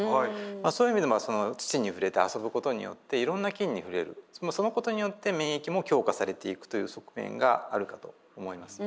そういう意味でもその土に触れて遊ぶことによっていろんな菌に触れるそのことによって免疫も強化されていくという側面があるかと思います。